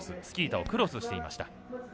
スキー板をクロスしていました。